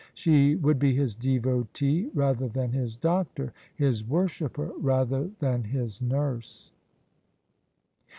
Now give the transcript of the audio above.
She would be his devotee rather than his doctor — ^his worshipper rather than his nurse.